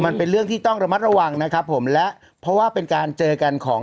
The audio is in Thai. มันเป็นเรื่องที่ต้องระมัดระวังนะครับผมและเพราะว่าเป็นการเจอกันของ